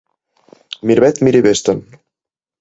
A Miravet, mira i ves-te'n.